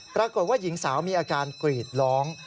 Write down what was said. ปรากฏว่าหญิงสาวมีอาการกรีดร้อง